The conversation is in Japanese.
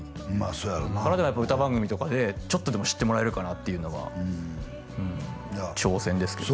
そうやろうな歌番組とかでちょっとでも知ってもらえるかなっていうのは挑戦ですけどね